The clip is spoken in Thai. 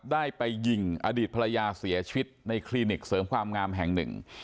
ได้ไปยิงอดีตภรรยาเสียชีวิตในคลินิกเสริมความงามแห่งหนึ่ง